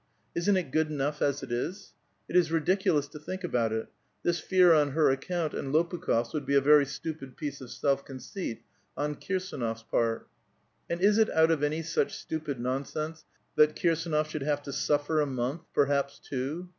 Isn't it good enough as it is? Ut is ridiculous to tliink about it ; this fear on her account s:&Dd Lopukh6f*8 would be a very stupid piece of self conceit on Kirsdnofs part. And is it out of any such stupid nonsense that Kirsdnof ishould have to suffer a month, perhaps two